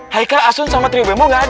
haika asun sama trio bemo gak ada